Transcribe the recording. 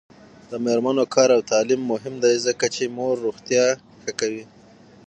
د میرمنو کار او تعلیم مهم دی ځکه چې مور روغتیا ښه کوي.